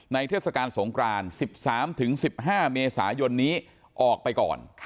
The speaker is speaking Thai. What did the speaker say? เทศกาลสงคราน๑๓๑๕เมษายนนี้ออกไปก่อน